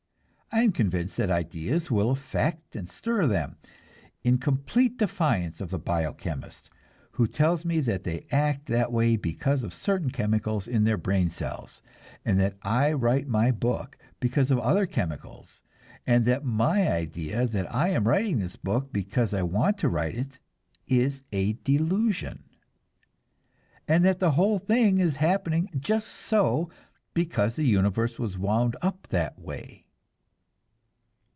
I am convinced that ideas will affect and stir them, in complete defiance of the bio chemist, who tells me that they act that way because of certain chemicals in their brain cells, and that I write my book because of other chemicals, and that my idea that I am writing the book because I want to write it is a delusion, and that the whole thing is happening just so because the universe was wound up that way.